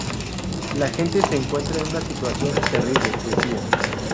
La gente se encuentra en una situación terrible"", decía.